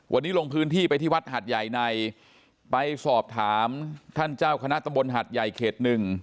วันนี้ลงพื้นที่ไปที่วัดหัดใหญ่ในไปสอบถามท่านเจ้าคณะตำบลหัดใหญ่เขตหนึ่ง